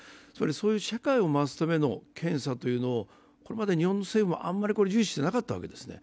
そういう社会を回すための検査というのを今まで日本の政府はあんまりこれ、重視してなかったんですね。